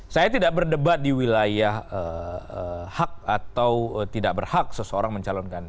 saya tidak berdebat di wilayah hak atau tidak berhak seseorang mencalonkan